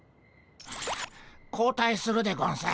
交代するでゴンス。